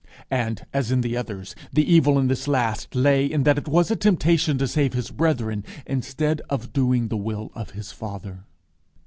And as in the others, the evil in this last lay in that it was a temptation to save his brethren, instead of doing the Will of his Father.